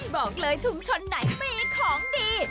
บอกเลยชุมชนไหนมีของดี